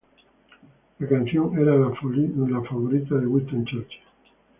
La canción era la favorita de Winston Churchill.